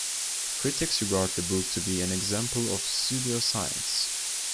Critics regard the book to be an example of pseudoscience.